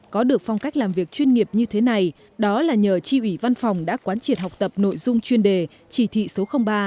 có được phong cách làm việc chuyên nghiệp như thế này đó là nhờ tri ủy văn phòng đã quán triệt học tập nội dung chuyên đề chỉ thị số ba